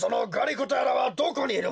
子とやらはどこにいるんだ？